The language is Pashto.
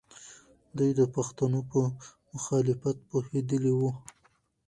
دوی د پښتنو په مخالفت پوهېدلې وو.